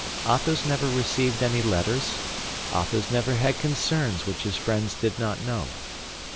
Athos never received any letters; Athos never had concerns which all his friends did not know.